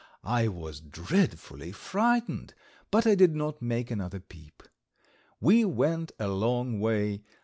I was dreadfully frightened, but I did not make another peep. We went a long way.